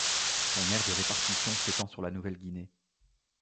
Son aire de répartition s'étend sur la Nouvelle-Guinée.